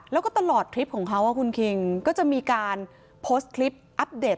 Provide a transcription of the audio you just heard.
แล้วก็ตลอดทริปของเขาคุณคิงก็จะมีการโพสต์คลิปอัปเดต